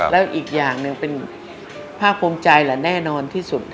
แล้วอีกอย่างหนึ่งเป็นภาคภูมิใจและแน่นอนที่สุด